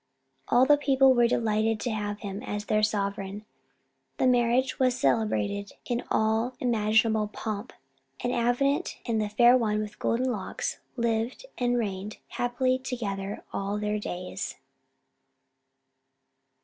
All the people were delighted to have him as their sovereign. The marriage was celebrated in all imaginable pomp, and Avenant and the Fair One with Golden Locks lived and reigned happily together all their days.